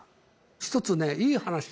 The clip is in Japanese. １つね、いい話。